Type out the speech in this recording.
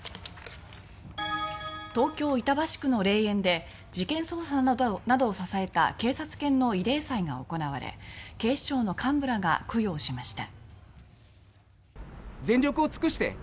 東京・板橋区の霊園で事件捜査などを支えた警察犬の慰霊祭が開かれ警視庁の幹部らが供養しました。